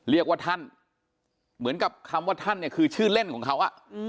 เรียกว่าท่านเหมือนกับคำว่าท่านเนี่ยคือชื่อเล่นของเขา